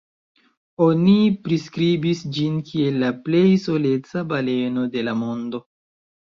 Oni priskribis ĝin kiel la "plej soleca baleno de la mondo".